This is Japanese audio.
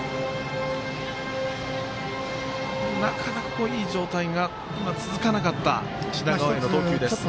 なかなか、いい状態が続かなかった品川への投球です。